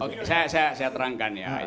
oke saya terangkan ya